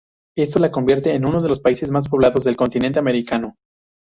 Esto la convierte en uno de los países menos poblados del continente americano.